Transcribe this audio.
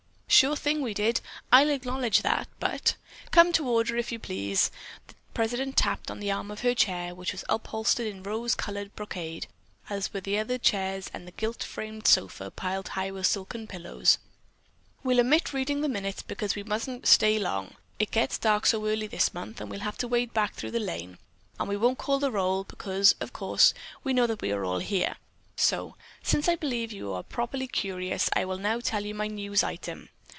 "Sure thing we did, I'll acknowledge that, but——" "Come to order, if you please!" the president tapped on the arm of her chair, which was upholstered in rose colored brocade as were the other chairs and the gilt framed sofa piled high with silken pillows. "We'll omit reading the minutes, because we really mustn't stay long. It gets dark so early this month and we'll have to wade back through the lane. And we won't call the roll, because, of course, we know that we're all here, so, since I believe you are properly curious, I will now tell my news item.